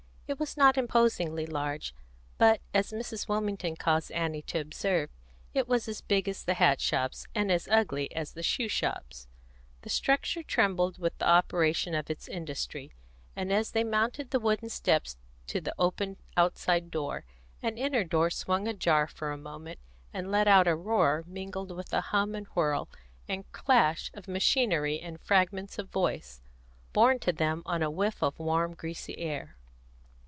It was not imposingly large, but, as Mrs. Wilmington caused Annie to observe, it was as big as the hat shops and as ugly as the shoe shops. The structure trembled with the operation of its industry, and as they mounted the wooden steps to the open outside door, an inner door swung ajar for a moment, and let out a roar mingled of the hum and whirl and clash of machinery and fragments of voice, borne to them on a whiff of warm, greasy air.